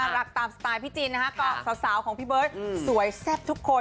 รักตามสไตล์พี่จินนะฮะก็สาวของพี่เบิร์ตสวยแซ่บทุกคน